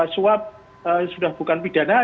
swab sudah bukan pidana